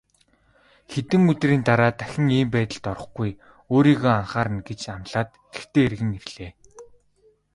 Хэдэн өдрийн дараа дахин ийм байдалд орохгүй, өөрийгөө анхаарна гэж амлаад гэртээ эргэн ирлээ.